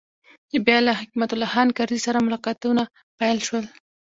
بیا له حکمت الله خان کرزي سره ملاقاتونه پیل شول.